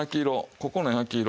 ここの焼き色